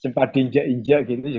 sempat diinjak injak gitu